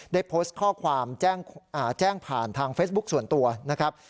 ได้โพสต์ข้อความแจ้งผ่านทางเฟซบุ๊คส่วนตัวนะครับ